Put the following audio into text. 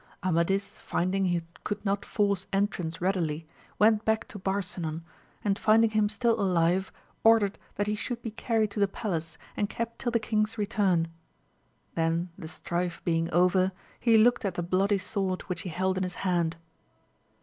Amadis finding he could not force entrance readily, went back to Barsinan, and finding him still alive, ordered that he should be carried to the palace and kept till the king^a return. Then the strife being over, he looked at the bloody sword which he held in his hand.